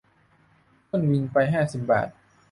ขึ้นวินไปห้าสิบบาท